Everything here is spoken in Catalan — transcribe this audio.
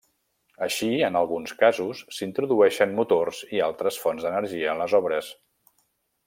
Així, en alguns casos, s’introdueixen motors i altres fonts d’energia en les obres.